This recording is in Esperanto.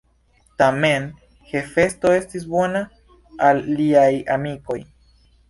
Tamen Hefesto estis bona al liaj amikoj.